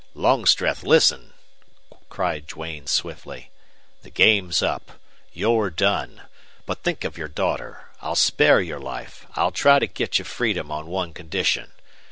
"Longstreth, listen," cried Duane, swiftly. "The game's up. You're done. But think of your daughter! I'll spare your life I'll try to get you freedom on one condition.